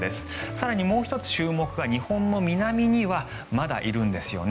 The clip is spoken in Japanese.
更に、もう１つ注目が日本の南にはまだいるんですよね。